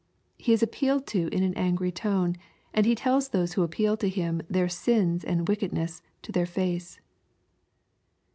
He is ap pealed to in an angry tone, and He telb those who appeal to Him their sins and wickedness to their face.